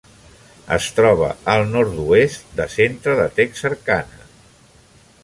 Es troba al nord-oest de centre de Texarkana.